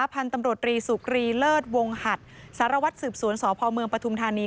พันธุ์ตำรวจรีสุกรีเลิศวงหัดสารวัตรสืบสวนสพเมืองปฐุมธานี